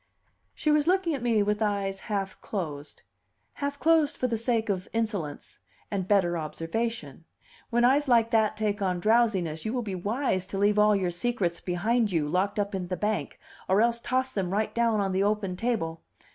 She was looking at me with eyes half closed; half closed for the sake of insolence and better observation; when eyes like that take on drowsiness, you will be wise to leave all your secrets behind you, locked up in the bank, or else toss them right down on the open table.